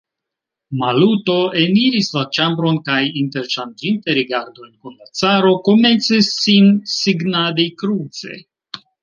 Maluto eniris la ĉambron kaj, interŝanĝinte rigardojn kun la caro, komencis sin signadi kruce.